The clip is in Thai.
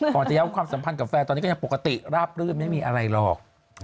จะย้ำความสัมพันธ์กับแฟนตอนนี้ก็ยังปกติราบรื่นไม่มีอะไรหรอก